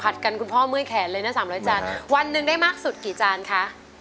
ผัดกันคุณพ่อเมื่อยแขนเลยนะสามร้อยจานวันนึงได้มากสุดกี่จานคะ